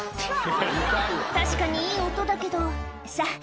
確かにいい音だけどさぁ